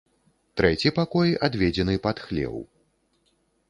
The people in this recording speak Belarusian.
Трэці пакой адведзены пад хлеў.